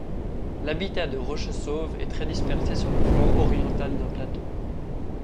L'habitat de Rochessauve est très dispersé sur le flanc oriental d'un plateau.